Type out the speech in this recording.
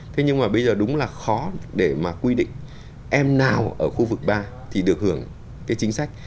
thế nhưng mà bây giờ đúng là khó để mà quy định em nào ở khu vực ba thì được hưởng cái chính sách